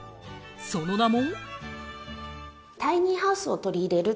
その名も。